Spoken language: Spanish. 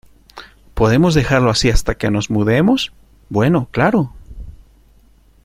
¿ Podemos dejarlo así hasta que nos mudemos? Bueno, claro.